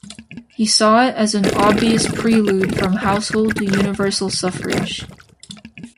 He saw it as 'an obvious prelude from household to universal suffrage'.